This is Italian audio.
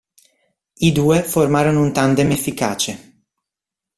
I due formarono un tandem efficace.